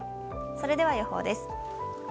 それでは予報です。